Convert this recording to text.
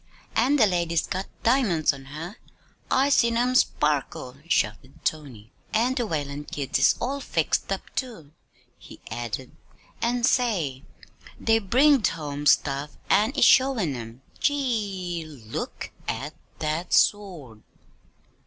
"An' de lady's got di'monds on her I seen 'em sparkle," shouted Tony. "An' de Whalen kids is all fixed up, too," he added. "An', say, dey've bringed home stuff an' is showin' 'em. Gee! look at that sw word!"